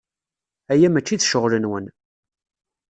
Aya maci d ccɣel-nwen.